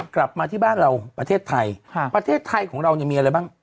กลับมาที่บ้านเราประเทศไทยประเทศไทยของเราเนี่ยมีอะไรบ้าง